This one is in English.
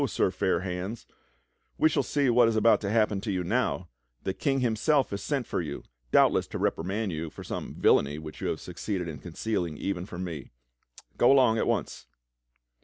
Sir Fair hands, we shall see what is about to happen to you now! The King himself has sent for you, doubtless to reprimand you for some villainy which you have succeeded in concealing even from me. Go along at once."